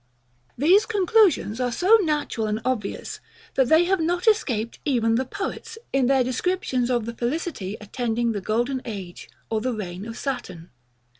These conclusions are so natural and obvious, that they have not escaped even the poets, in their descriptions of the felicity attending the golden age or the reign of Saturn.